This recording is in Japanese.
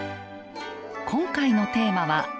今回のテーマは「和楽器」。